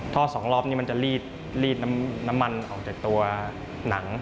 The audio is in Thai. สองรอบนี้มันจะรีดน้ำมันออกจากตัวหนัง